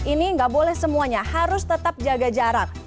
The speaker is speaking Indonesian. ini nggak boleh semuanya harus tetap jaga jarak